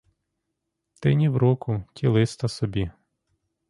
Ти, нівроку, тілиста собі.